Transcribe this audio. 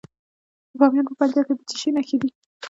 د بامیان په پنجاب کې د څه شي نښې دي؟